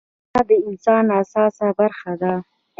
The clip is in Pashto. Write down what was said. غوږونه د انسان حساسه برخه ده